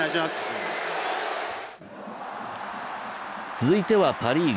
続いてはパ・リーグ。